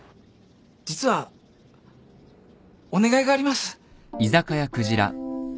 実はお願いがあります。